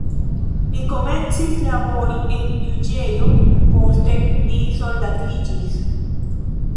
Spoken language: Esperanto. Li komencis labori en juĝejo, poste li soldatiĝis.